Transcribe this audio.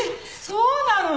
そうなの？